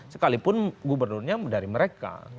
sekalipun gubernurnya dari mereka